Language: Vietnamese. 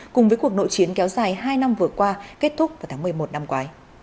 cùng với cuộc nội chiến kéo dài hai năm vừa qua kết thúc vào tháng một mươi một năm qua